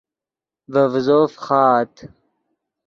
ڤے ڤیزو فخآت